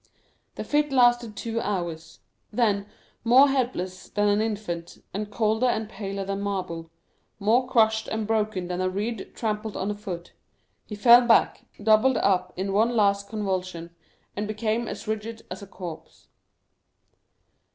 The fit lasted two hours; then, more helpless than an infant, and colder and paler than marble, more crushed and broken than a reed trampled under foot, he fell back, doubled up in one last convulsion, and became as rigid as a corpse.